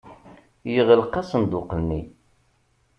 Yeɣleq asenduq-nni.